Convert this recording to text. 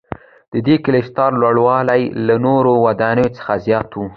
ددې کلیساوو لوړوالی له نورو ودانیو څخه زیات و.